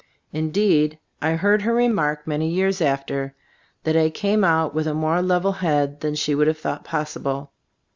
Indeed, I heard her remark many years after, that I came out with a more level head than she would have thought possible.